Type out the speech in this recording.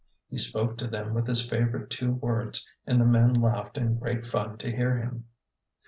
He spoke to them with his favorite two words and the men laughed in great fun to hear him.